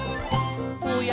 「おや？